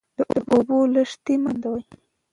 د اوبو لښتې مه بندوئ.